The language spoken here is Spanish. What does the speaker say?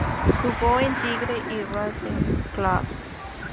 Jugó en Tigre y Racing Club.